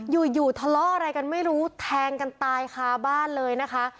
อยู่อยู่ทะเลาะอะไรกันไม่รู้แทงกันตายคาบ้านเลยนะคะ